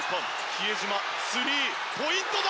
比江島、スリーポイントだ！